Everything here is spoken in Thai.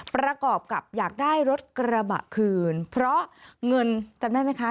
ประกอบกับอยากได้รถกระบะคืนเพราะเงินจำได้ไหมคะ